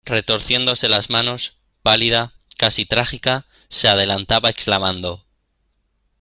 retorciéndose las manos, pálida , casi trágica , se adelantaba exclamando: